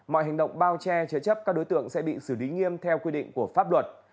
mọi hành động bao che chế chấp các đối tượng sẽ bị xử lý nghiêm theo quy định của pháp luật